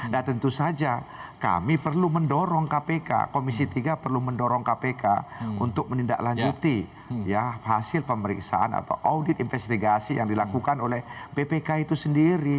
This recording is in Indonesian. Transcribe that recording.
dan tentu saja kami perlu mendorong kpk komisi tiga perlu mendorong kpk untuk menindaklanjuti hasil pemeriksaan atau audit investigasi yang dilakukan oleh bpk itu sendiri